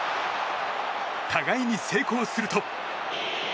互いに成功すると。